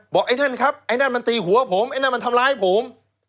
ไอ้ท่านครับไอ้นั่นมันตีหัวผมไอ้นั่นมันทำร้ายผม